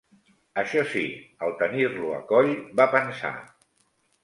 Això sí, al tenir-lo a coll va pensar: